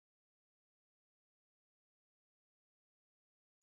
کله چې قانون پر ټولو یو شان وي عدالت رامنځته کېږي